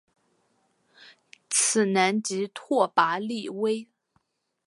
此男即拓跋力微。